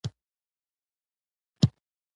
باسواده ښځې د خبریالانو په توګه کار کوي.